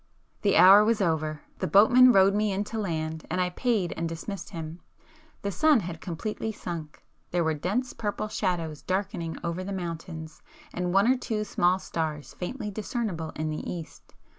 The hour was over,—the boatman rowed me in to land, and I paid and dismissed him. The sun had completely sunk,—there were dense purple shadows darkening over the mountains, and one or two small stars faintly discernible in the east.